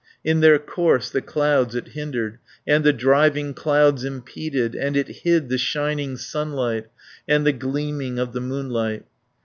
In their course the clouds it hindered, And the driving clouds impeded, And it hid the shining sunlight, And the gleaming of the moonlight.